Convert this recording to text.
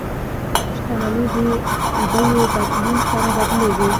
شتمني د بیو بدلون سره بدلیږي.